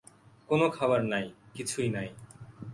কোন খাবার নাই, কিছুই নাই।